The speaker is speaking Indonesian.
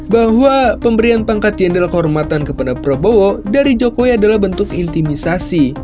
bahwa pemberian pangkat jenderal kehormatan kepada prabowo dari jokowi adalah bentuk intimisasi